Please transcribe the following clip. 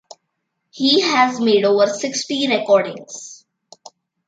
He has made over sixty recordings.